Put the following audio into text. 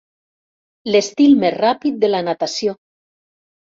L'estil més ràpid de la natació.